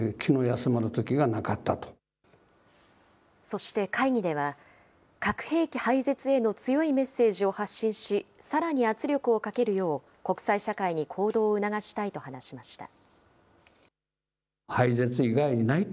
そして会議では、核兵器廃絶への強いメッセージを発信し、さらに圧力をかけるよう、国際社会に行動を促したいと話しました。